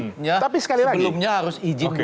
oh tadi maksudnya sebelumnya harus ijin dulu